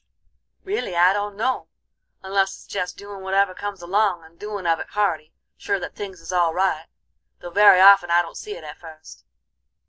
"Really I don't know, unless it's jest doin' whatever comes along, and doin' of it hearty, sure that things is all right, though very often I don't see it at fust."